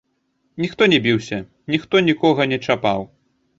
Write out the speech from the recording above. Ніхто не біўся, ніхто нікога не чапаў.